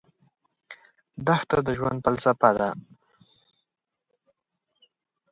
دښته د ژوند فلسفه ده.